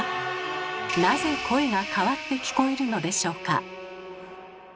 なぜ声が変わって聞こえるのでしょうか？